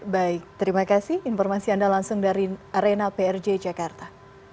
baik terima kasih informasi anda langsung dari arena prj jakarta